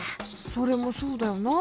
それもそうだよな。